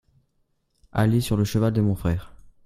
aller sur le cheval de mon frère.